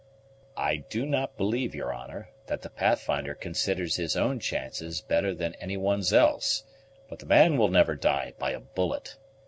"I do not believe, your honor, that the Pathfinder considers his own chances better than any one's else, but the man will never die by a bullet.